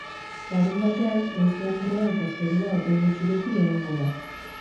Larunbatean, goiz-lanbroa eta zerua hodei gutxirekin egongo da.